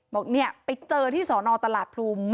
บอกเนี่ยไปเจอที่สอนอตลาดพรุม